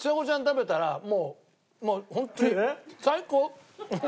食べたらもう本当に最高。